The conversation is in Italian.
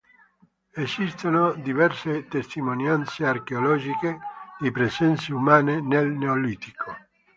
Esistono diverse testimonianze archeologiche di presenze umane nel Neolitico.